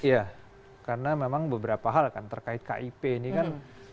ya karena memang beberapa hal kan terkait kip ini kan